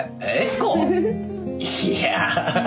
いや。